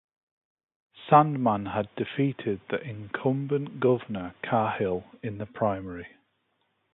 Sandman had defeated the incumbent Governor Cahill in the primary.